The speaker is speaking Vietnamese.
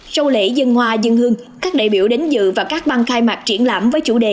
sau lễ dân hoa dân hương các đại biểu đến dự và các băng khai mạc triển lãm với chủ đề